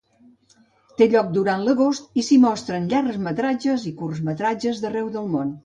Té lloc durant l'agost, i s'hi mostren llargmetratges i curtmetratges d'arreu del món.